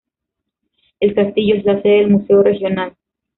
El castillo es la sede del museo regional.